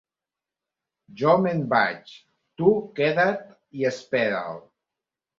Jo me'n vaig: tu queda't i espera'l.